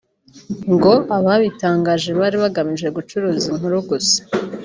ngo ababitangaje bari bagamije gucuruza inkuru gusa